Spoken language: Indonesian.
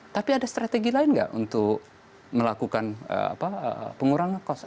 tapi ada strategi lain nggak untuk melakukan pengurangan cost